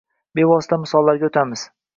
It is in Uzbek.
Bevosita misollarga o‘tamiz.